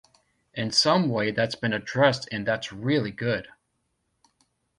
In some way that's been addressed and that's really good.